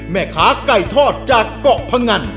แม่ค้าไก่ทอดจากเกาะพงัน